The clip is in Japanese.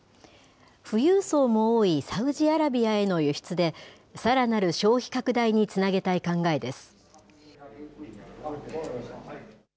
富裕層も多いサウジアラビアへの輸出で、さらなる消費拡大につなげたい考えです。